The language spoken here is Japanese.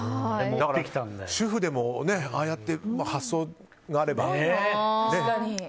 主婦でもああやって発想があれば。